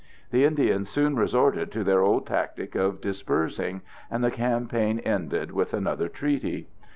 The Indians soon resorted to their old tactic of dispersing, and the campaign ended with another treaty.